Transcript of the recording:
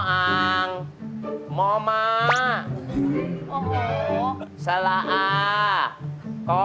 อ่านว่าอะไรลูก